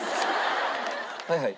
はいはい。